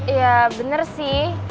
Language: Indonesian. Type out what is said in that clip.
ya bener sih